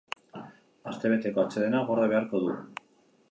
Astebeteko atsedena gorde beharko du.